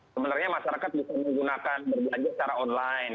sebenarnya masyarakat bisa menggunakan berbelanja secara online